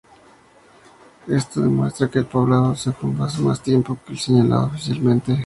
Esto demuestra que el poblado se fundó hace más tiempo que el señalado oficialmente.